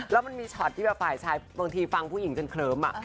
แล้วมันมีช็อตที่แบบฝ่ายชายบางทีฟังผู้หญิงจนเคลิ้ม